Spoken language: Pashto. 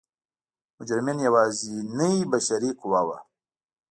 مجرمین یوازینۍ بشري قوه وه.